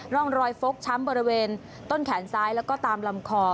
ร่องรอยฟกช้ำบริเวณต้นแขนซ้ายแล้วก็ตามลำคอ